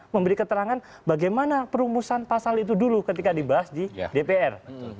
memberi keterangan bagaimana perumusan pasal itu dulu ketika dibahas di dpr